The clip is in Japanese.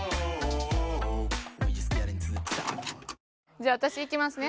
じゃあ私いきますね。